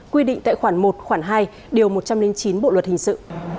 quy định tại khoản một khoản hai điều một trăm linh chín bộ luật hình sự